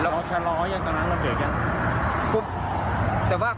เขาชะล้อยังตอนนั้นรถเด็กยัง